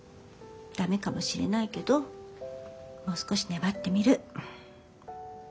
ダメかもしれないけどもう少し粘ってみる。